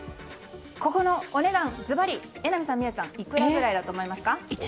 ここのお値段、ずばり榎並さん、宮司さんいくらぐらいだと思いますか。